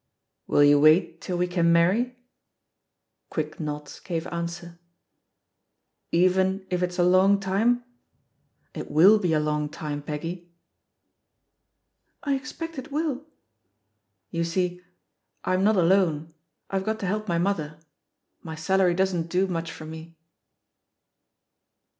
"Will you wait till we can marry?'' Quick nods gave answer. "Even if it's a long time? It mil be a long time, Peggy." "I expect it will." "You see, I'm not alone, I've got to help my mother; my salary doesn't do much for me."